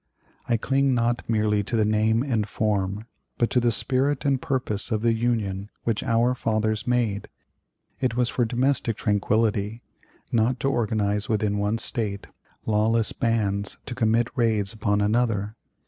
I cling not merely to the name and form, but to the spirit and purpose of the Union which our fathers made. It was for domestic tranquillity; not to organize within one State lawless bands to commit raids upon another.